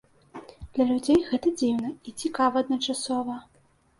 Для людзей гэта дзіўна і цікава адначасова.